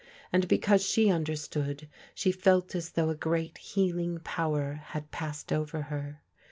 And because she understood she felt as though a great healing power had passed over her.